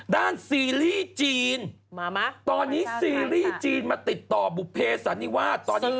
ด้านซีรีส์จีนตอนนี้ซีรีส์จีนมาติดต่อบุเภสอันนี้ว่า